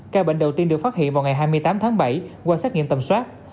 ca bệnh đầu tiên được phát hiện vào ngày hai mươi tám tháng bảy qua xét nghiệm tầm soát